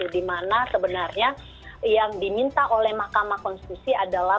di mana sebenarnya yang diminta oleh mahkamah konstitusi adalah